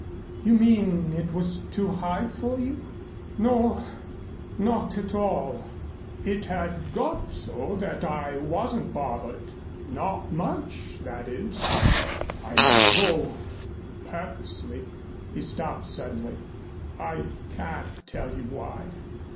You mean it was too hard for you?" "No, not at all. It had got so that I wasn't bothered not much that is I let go purposely." He stopped suddenly. "I can't tell you why.